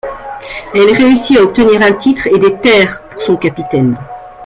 Elle réussit à obtenir un titre et des terres pour son capitaine.